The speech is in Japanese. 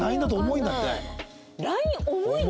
ＬＩＮＥ重いの？